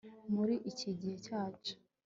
muri iki gihe cyacu